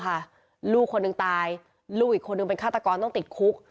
ลูกคนหนึ่งตายลูกอีกคนนึงเป็นฆาตกรต้องติดคุก